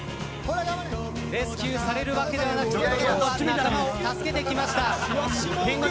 レスキューされるわけではなく今日は仲間を助けてきました。